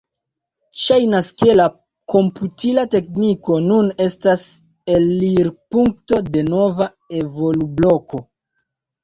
Ŝajnas ke la komputila tekniko nun estas elirpunkto de nova evolubloko.